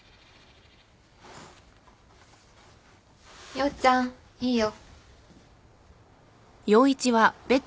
陽ちゃんいいよ。